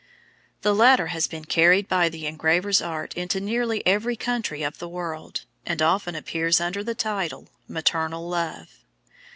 The latter has been carried by the engraver's art into nearly every country of the world, and often appears under the title, "Maternal Love."